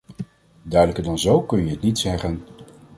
Duidelijker dan zo kun je het niet zeggen.